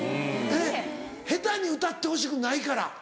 えっ下手に歌ってほしくないから？